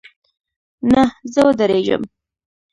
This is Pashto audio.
نه، زه ودریږم